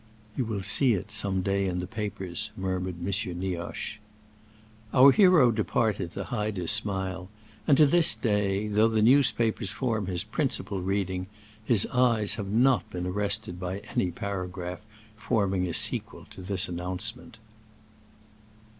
"You will see it some day in the papers," murmured M. Nioche. Our hero departed to hide his smile, and to this day, though the newspapers form his principal reading, his eyes have not been arrested by any paragraph forming a sequel to this announcement.